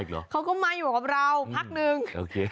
เขามาอยู่กับเราพักนึง